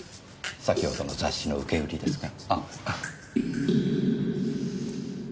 先ほどの雑誌の受け売りですが。